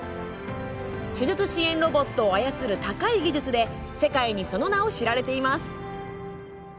手術支援ロボットを操る高い技術で世界にその名を知られています。